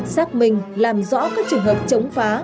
xác minh làm rõ các trường hợp chống phá